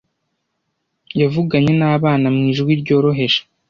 Yavuganye nabana mwijwi ryoroheje.